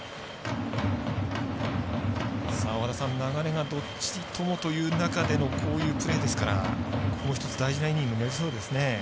和田さん、流れがどっちにという中でのこういうプレーですからここ１つ大事なイニングになりそうですね。